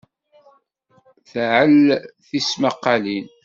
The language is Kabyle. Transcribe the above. Tɛell tismaqalin.